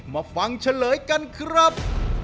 มาฟังเฉลยกันครับ